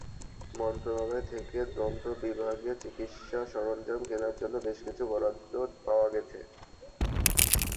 মন্ত্রণালয় থেকে দন্ত বিভাগের চিকিৎসা সরঞ্জাম কেনার জন্য কিছু বরাদ্দ পাওয়া গেছে।